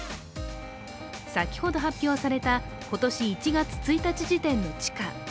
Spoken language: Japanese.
先ほど発表された今年１月１日時点の地価。